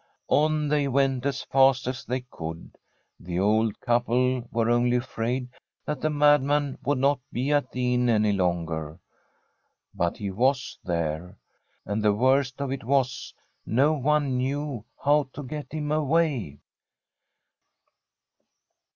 On they went as fast as they could. The old couple were only afraid that the madman would not be at the inn any longer. But he was there, and the worst of it was, no one knew how to get him away.